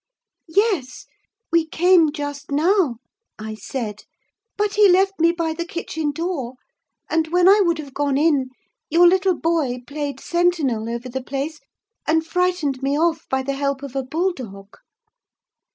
"Yes—we came just now," I said; "but he left me by the kitchen door; and when I would have gone in, your little boy played sentinel over the place, and frightened me off by the help of a bull dog."